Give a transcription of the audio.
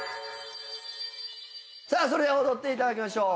さあそれでは踊っていただきましょう。